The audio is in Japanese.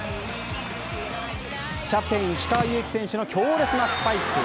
キャプテン、石川祐希選手の強烈なスパイク